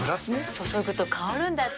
注ぐと香るんだって。